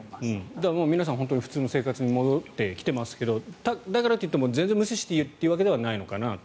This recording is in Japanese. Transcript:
だから皆さん普通の生活に戻ってきていますがだからといって全然無視していいというわけではないのかなと。